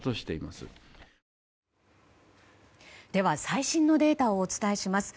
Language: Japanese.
最新のデータをお伝えします。